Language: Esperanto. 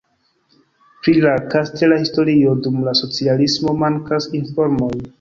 Pri la kastela historio dum la socialismo mankas informoj.